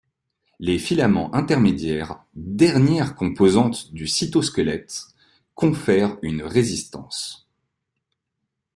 Les filaments intermédiaires, dernière composante du cytosquelette, confèrent une résistance.